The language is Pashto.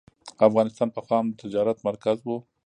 افغانستان پخوا هم د تجارت مرکز و.